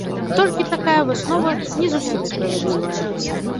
Толькі такая выснова не зусім справядлівая.